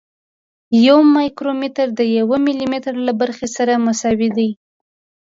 یو مایکرومتر د یو ملي متر له برخې سره مساوي دی.